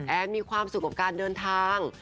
มีความสุขกับการเดินทาง